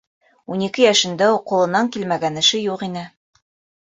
Ун ике йәшендә үк ҡулынан килмәгән эше юҡ ине.